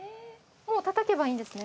もうたたけばいいんですね？